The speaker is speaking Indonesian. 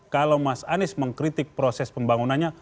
kalau mas anies mengkritik proses pembangunannya